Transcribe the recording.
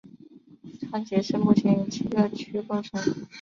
川崎市目前由七个区构成。